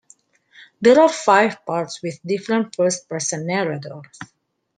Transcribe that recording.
There are five parts with different first-person narrators.